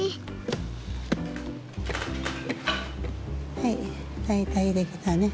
はい大体できたね。